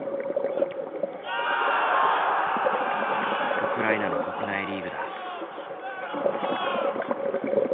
ウクライナの国内リーグだ。